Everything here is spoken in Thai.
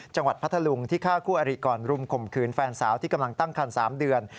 พัทธลุงที่ฆ่าคู่อริก่อนรุมข่มขืนแฟนสาวที่กำลังตั้งคัน๓เดือน